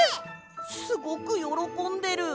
すごくよろこんでる！